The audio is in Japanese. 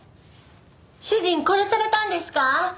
主人殺されたんですか？